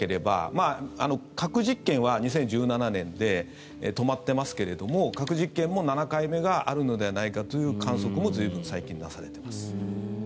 まあ、核実験は２０１７年で止まってますけれど核実験も７回目があるのではないかという観測も随分、最近なされています。